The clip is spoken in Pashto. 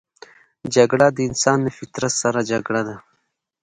جګړه د انسان له فطرت سره جګړه ده